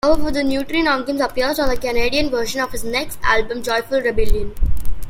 However, "Neutroniks" appears on the Canadian version of his next album "Joyful Rebellion".